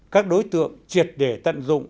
các đối tượng triệt để tận dụng